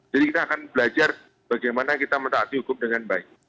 jadi kita akan belajar bagaimana kita mentaati hukum dengan baik